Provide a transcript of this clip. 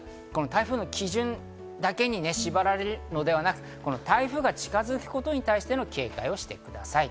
台風の基準だけに縛られるのではなく、台風が近づくことに対しての警戒をしてください。